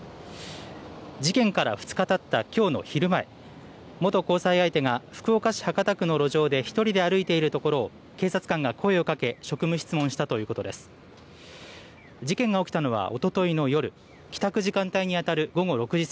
事件から２日たったきょうの昼前、元交際相手が福岡市博多区の路上で１人で歩いているところを警察官が声をかけ職務質問したということです。